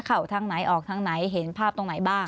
เข้าทางไหนออกทางไหนเห็นภาพตรงไหนบ้าง